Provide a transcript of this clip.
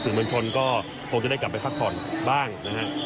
สื่อมวลชนก็คงจะได้กลับไปพักผ่อนบ้างนะครับ